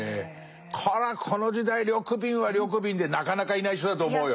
こりゃこの時代緑敏は緑敏でなかなかいない人だと思うよ。